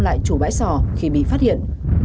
lại chủ bãi sò khi bị phát hiện